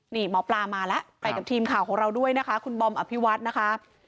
นี่หมอปลามาแล้วไปกับทีมข่าวของเราด้วยนะคะคุณบอมอภิวัฒน์นะคะ